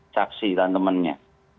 caksi dan temannya